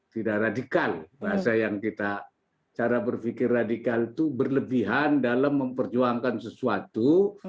tidak radikal bahasa yang kita cara berpikir radikal itu berlebihan dalam memperjuangkan sesuatu